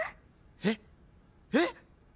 えっ？えっ？